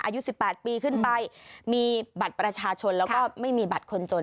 อายุ๑๘ปีขึ้นไปมีบัตรประชาชนแล้วก็ไม่มีบัตรคนจน